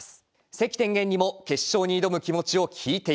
関天元にも決勝に挑む気持ちを聞いています。